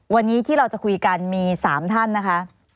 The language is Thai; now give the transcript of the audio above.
วันนี้ที่เราจะคุยกันมี๓ท่านนะคะ